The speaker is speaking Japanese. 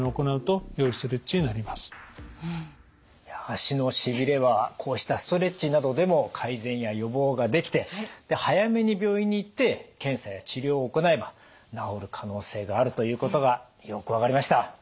足のしびれはこうしたストレッチなどでも改善や予防ができて早めに病院に行って検査や治療を行えば治る可能性があるということがよく分かりました。